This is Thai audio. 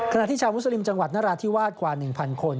ที่ชาวมุสลิมจังหวัดนราธิวาสกว่า๑๐๐คน